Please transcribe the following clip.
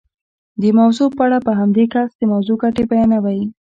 د موضوع په اړه په همدې کس د موضوع ګټې بیانوئ.